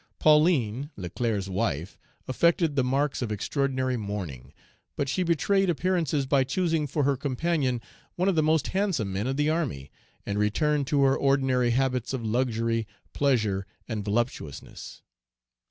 Pauline, Leclerc's wife, affected the marks of extraordinary mourning, but she betrayed appearances by choosing for her companion one of the most handsome men of the army, and returned to her ordinary habits of luxury, pleasure, and voluptuousness.